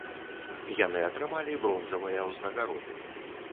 Яны атрымалі бронзавыя ўзнагароды.